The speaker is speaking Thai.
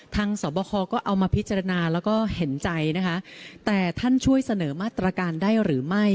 สอบคอก็เอามาพิจารณาแล้วก็เห็นใจนะคะแต่ท่านช่วยเสนอมาตรการได้หรือไม่